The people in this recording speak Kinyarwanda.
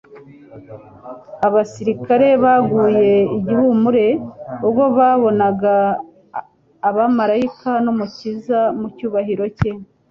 Abasirikare baguye igihumure, ubwo babonaga abamaraika n'Umukiza mu cyubahiro cye.